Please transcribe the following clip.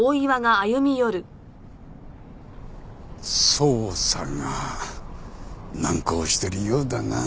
捜査が難航してるようだな